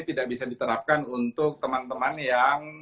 tidak bisa diterapkan untuk teman teman yang